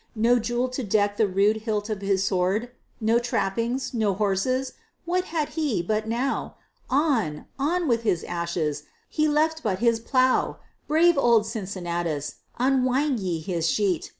No jewel to deck the rude hilt of his sword No trappings no horses? what had he, but now? On! on with his ashes! HE LEFT BUT HIS PLOUGH! Brave old Cincinnatus! Unwind ye his sheet!